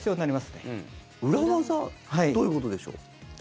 どういうことでしょう？